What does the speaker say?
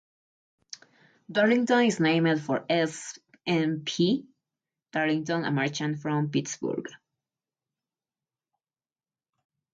Darlington is named for S. P. Darlington, a merchant from Pittsburgh.